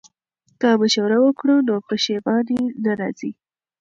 که مشوره وکړو نو پښیماني نه راځي.